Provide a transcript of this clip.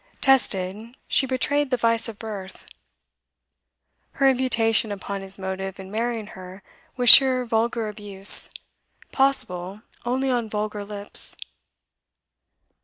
Tested, she betrayed the vice of birth. Her imputation upon his motive in marrying her was sheer vulgar abuse, possible only on vulgar lips.